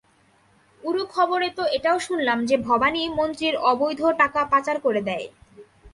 উড়োখবরে তো এটাও শুনলাম যে ভবানী মন্ত্রীর অবৈধ টাকা পাচার করে দেয়।